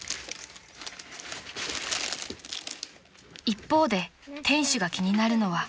［一方で店主が気になるのは］